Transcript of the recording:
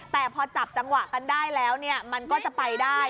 แต่พอจับจังหวะกันได้แล้วเนี่ยมันก็จะไปได้